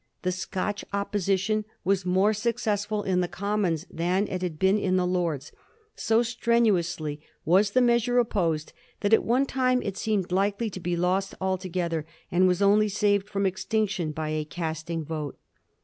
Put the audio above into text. The Scotch opposition was more success ful in the Commons than it had been in the Lords. So strenuously was the measure opposed that at one time it seemed likely to be lost altogether, and was only saved from extinction by a casting vote.